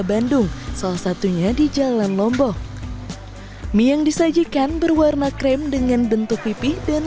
bandung salah satunya di jalan lombok mie yang disajikan berwarna krem dengan bentuk pipih dan